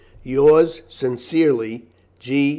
Yours sincerely, G.